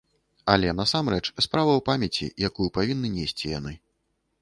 Але насамрэч справа ў памяці, якую павінны несці яны.